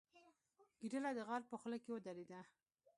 ګیدړه د غار په خوله کې ودرېده.